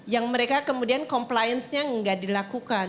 yang mereka kemudian compliance nya nggak dilakukan